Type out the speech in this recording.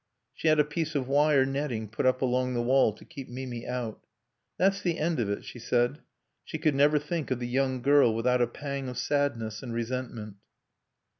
She had a piece of wire netting put up along the wall to keep Mimi out. "That's the end of it," she said. She could never think of the young girl without a pang of sadness and resentment.